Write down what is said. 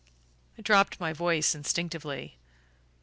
I dropped my voice instinctively.